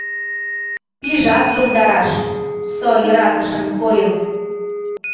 Пижат йомдараш, со йӧратышын койын...